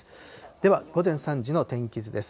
では午前３時の天気図です。